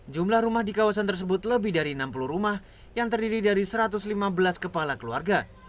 jumlah rumah di kawasan tersebut lebih dari enam puluh rumah yang terdiri dari satu ratus lima belas kepala keluarga